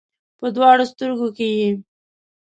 په دواړو سترګو کې یې